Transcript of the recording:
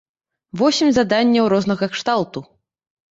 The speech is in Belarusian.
Восем заданняў рознага кшталту.